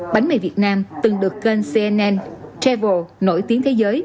bánh mì việt nam từng được kênh cnn travel nổi tiếng thế giới